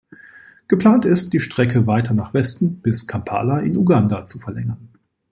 Geplant ist, die Strecke weiter nach Westen bis Kampala in Uganda zu verlängern.